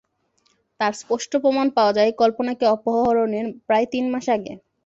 তার স্পষ্ট প্রমাণ পাওয়া যায় কল্পনাকে অপহরণের প্রায় তিন মাস আগে।